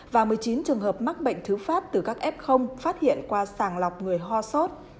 và một mươi chín trường hợp mắc bệnh thứ phát từ các f phát hiện qua sàng lọc người ho sốt